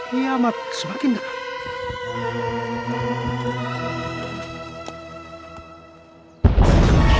kiamat semakin dekat